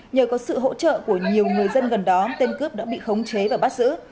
nhờ có sự hỗ trợ của nhiều người dân gần đó tên cướp đã bị khống chế và bắt giữ